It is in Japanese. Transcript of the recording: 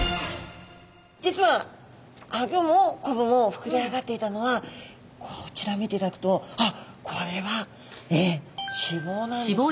実はアギョもコブもふくれ上がっていたのはこちら見ていただくとあっこれはええ脂肪なんですね。